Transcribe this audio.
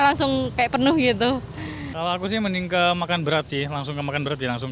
langsung kayak penuh gitu kalau aku sih mending ke makan berat sih langsung ke makan berat ya langsung